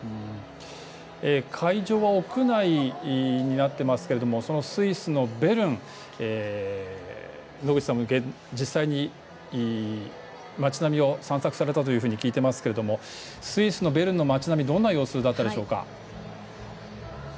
会場は屋内になっていますけれどもスイスのベルン野口さんも実際に街並みを散策されたというふうに聞いていますけれどもスイスのベルンの街並みどんな様子だったでしょうか？